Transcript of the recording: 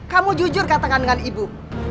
kamu jujur katakan dengan ibu